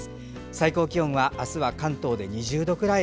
最高気温は、明日は関東で２０度くらい。